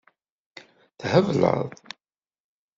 Thebleḍ.